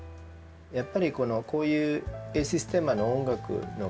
やっぱりこういうエル・システマの音楽の活動を通してね